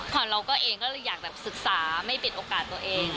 ฉันเราก็อยากศึกษาไม่ปิดโอกาสตัวเอง